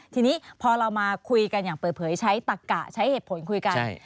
ทีนี้พอเรามาคุยกันอย่างเปิดเผยใช้ตักกะใช้เหตุผลคุยกัน